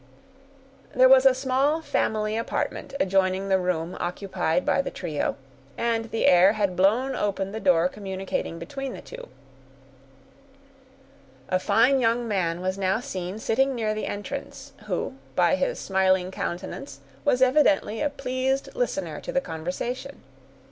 There was a small family apartment adjoining the room occupied by the trio, and the air had blown open the door communicating between the two. A fine young man was now seen sitting near the entrance, who, by his smiling countenance, was evidently a pleased listener to the conversation.